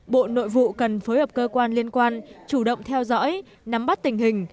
bộ nội vụ cần phối hợp cơ quan liên quan chủ động theo dõi nắm bắt tình hình